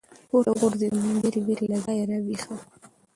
پـورتـه وغورځـېدم ، ډېـرې وېـرې له ځايـه راويـښه.